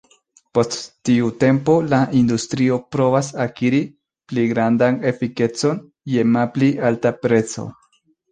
Post tiu tempo, la industrio provas akiri pli grandan efikecon je malpli alta prezo.